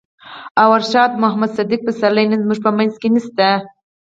ارواښاد محمد صديق پسرلی نن زموږ په منځ کې نشته.